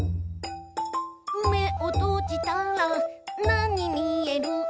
「めをとじたらなにみえる？」